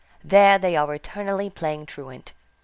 There they are eternally playing truant.